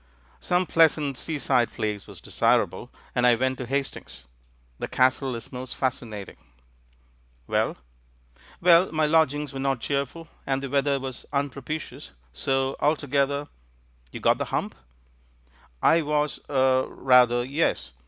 '* "Some pleasant seaside place was desirable. ^62 THE MAN WHO UNDERSTOOD WOMEN and I went to Hastings. The Castle is most fas cinating." "Well?" "Well, my lodgings were not cheerful, and the weather was unpropitious, so altogether " "You got the hump?" "I was — er — rather — yes.